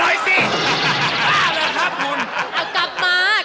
เรียกหน่อยสิ